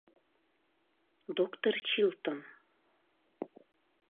— Доктыр Чилтон!